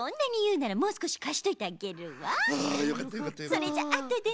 それじゃあとでね。